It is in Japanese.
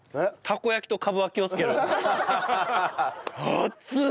熱っ！